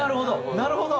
なるほど！